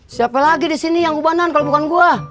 siapa lagi disini yang ubanan kalau bukan gue